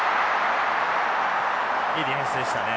いいディフェンスでしたね。